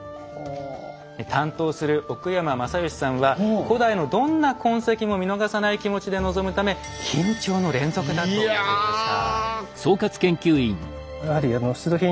担当する奥山誠義さんは古代のどんな痕跡も見逃さない気持ちで臨むため緊張の連続だということでした。